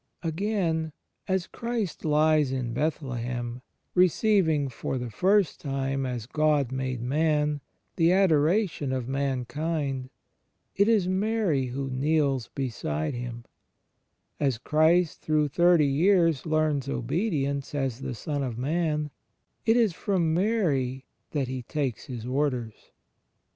Again — as Christ lies in Bethlehem, receiving for the first time as God made man the adoration of mankind, it is Mary who kneels beside Him; as Christ through thirty years "learns obedience "* as the Son of Man, it is from Mary that He takes His orders.